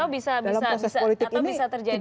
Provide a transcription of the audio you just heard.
dalam proses politik ini tidak sesederhana itu